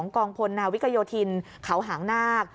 กองพลนาวิกโยธินเขาหางนาค